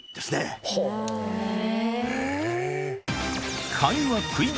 へぇ。